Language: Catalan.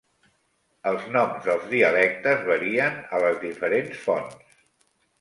Els noms dels dialectes varien a les diferents fonts.